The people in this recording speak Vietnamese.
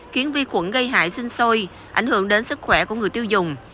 khiến vi khuẩn gây hại sinh sôi ảnh hưởng đến sức khỏe của người tiêu dùng